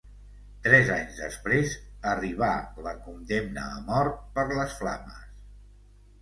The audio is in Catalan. Tres anys després arribà la condemna a mort per les flames.